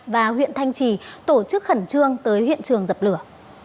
và huyện thanh trì tổ chức khẩn trương tới hiện trường dập lửa